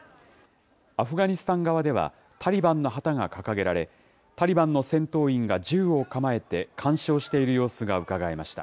アフガニスタン側では、タリバンの旗が掲げられ、タリバンの戦闘員が銃を構えて監視をしている様子がうかがえました。